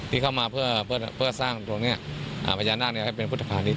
ที่เข้ามาเพื่อสร้างตรงนี้พญานาคให้เป็นพุทธภานี้